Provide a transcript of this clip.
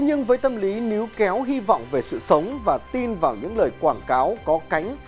nhưng với tâm lý níu kéo hy vọng về sự sống và tin vào những lời quảng cáo có cánh